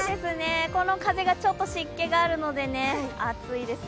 この風がちょっと湿気があるので、暑いです。